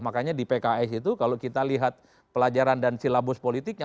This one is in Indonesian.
makanya di pks itu kalau kita lihat pelajaran dan silabus politiknya